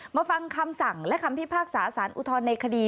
ฟังคำสั่งและคำพิพากษาสารอุทธรณ์ในคดี